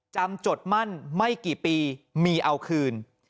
จำจดมั้นไว้กี่ปีมีเอาคืน